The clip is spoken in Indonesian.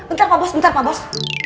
bentar pak bos bentar pak bos